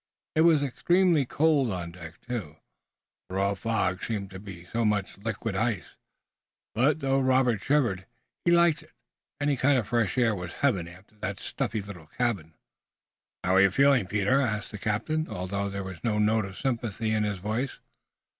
It was extremely cold on deck, too, the raw fog seeming to be so much liquid ice, but, though Robert shivered, he liked it. Any kind of fresh air was heaven after that stuffy little cabin. "How are you feeling, Peter?" asked the captain, although there was no note of sympathy in his voice.